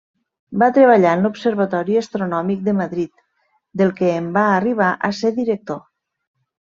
Va treballar en l'Observatori Astronòmic de Madrid, del que en va arribar a ser director.